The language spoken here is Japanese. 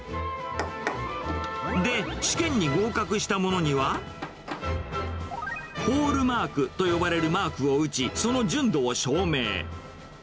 で、試験に合格した者には、ホールマークと呼ばれるマークを打ち、その純度を証明。